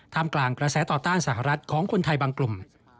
กลางกระแสต่อต้านสหรัฐของคนไทยบางกลุ่ม